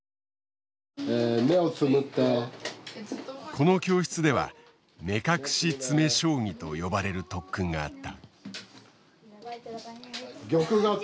この教室では目隠し詰将棋と呼ばれる特訓があった。